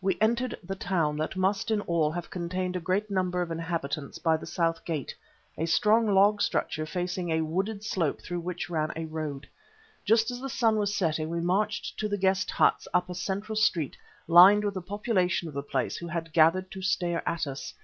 We entered the town, that must in all have contained a great number of inhabitants, by the South gate, a strong log structure facing a wooded slope through which ran a road. Just as the sun was setting we marched to the guest huts up a central street lined with the population of the place who had gathered to stare at us.